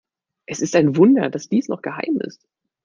Es ist ein Wunder, dass dies noch geheim ist.